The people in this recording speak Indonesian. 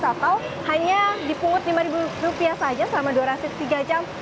atau hanya dipungut rp lima saja selama durasi tiga jam